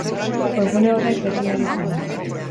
Webgune horrek beti merezi du.